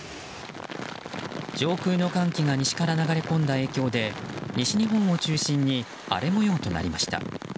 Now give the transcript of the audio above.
上空の寒気が西から流れ込んだ影響で西日本を中心に荒れ模様となりました。